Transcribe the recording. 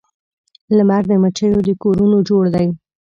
لمر د مچېو د کورونو جوړ دی